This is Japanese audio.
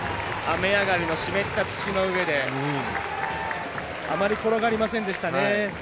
雨上がりの湿った土の上であまり転がりませんでしたね。